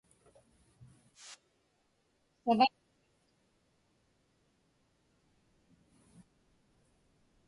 Savakpat?